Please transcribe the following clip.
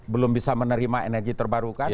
belum bisa menerima energi terbarukan